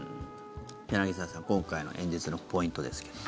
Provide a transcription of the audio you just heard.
柳澤さん、今回の演説のポイントですけれど。